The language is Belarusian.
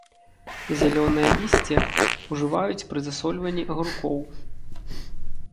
Зялёнае лісце ўжываюць пры засольванні агуркоў.